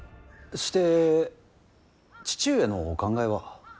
して父上のお考えは。